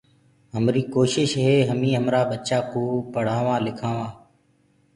همريٚ ڪوشيٚش هي هميٚنٚ همرآ ٻچآنڪوُ پڙهآوآنٚ لکآوآنٚ۔